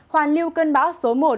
hoàn lưu cơn bão số một